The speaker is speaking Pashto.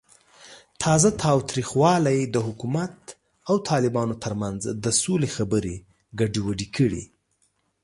تازه تاوتریخوالی د حکومت او طالبانو ترمنځ د سولې خبرې ګډوډې کړې.